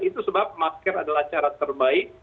itu sebab masker adalah cara terbaik